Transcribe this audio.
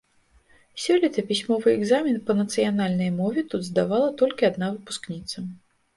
Сёлета пісьмовы экзамен па нацыянальнай мове тут здавала толькі адна выпускніца.